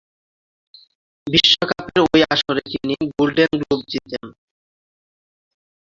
বিশ্বকাপের ঐ আসরে তিনি গোল্ডেন গ্লোব জিতেন।